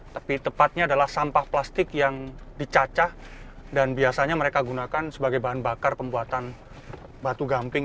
tapi tepatnya adalah sampah plastik yang dicacah dan biasanya mereka gunakan sebagai bahan bakar pembuatan batu gamping